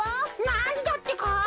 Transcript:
なんだってか？